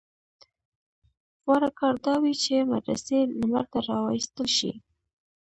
غوره کار دا وي چې مدرسې لمر ته راوایستل شي.